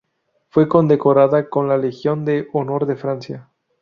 Fue condecorada con la Legión de Honor de Francia.